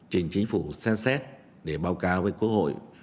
trên chính phủ xem xét để báo cáo với cổ hội